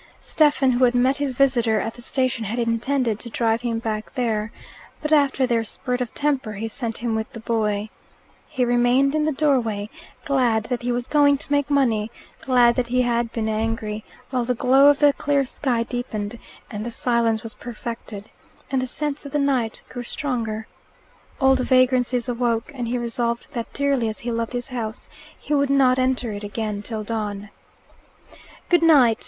Stephen, who had met his visitor at the station, had intended to drive him back there. But after their spurt of temper he sent him with the boy. He remained in the doorway, glad that he was going to make money, glad that he had been angry; while the glow of the clear sky deepened, and the silence was perfected, and the scents of the night grew stronger. Old vagrancies awoke, and he resolved that, dearly as he loved his house, he would not enter it again till dawn. "Goodnight!"